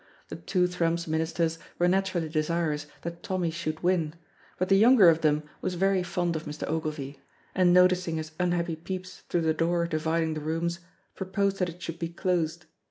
The two Thrums ministers were naturally desirous that Tommy should win, but the younger of them was very fond of Mr. Ogilvy, and noticing his unhappy peeps through the door dividing the rooms, proposed that it should be closed.